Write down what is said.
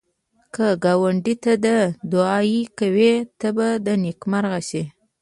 که ګاونډي ته دعایې کوې، ته به نېکمرغه شې